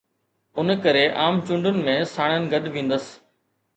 ان ڪري عام چونڊن ۾ ساڻن گڏ ويندس.